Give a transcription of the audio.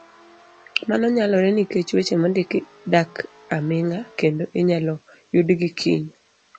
Mano nyalore nikech, weche mondiki dak aming'a kendo inyalo yudgi kiny.